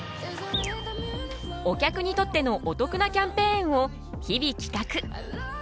お客にとってのお得なキャンペーンを日々企画。